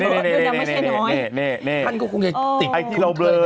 มันเยอะนี่นี่นี่นี่